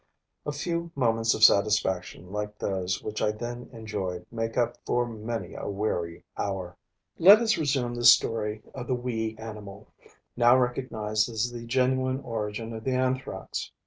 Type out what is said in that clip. A few moments of satisfaction like those which I then enjoyed make up for many a weary hour. Let us resume the story of the wee animal, now recognized as the genuine origin of the Anthrax.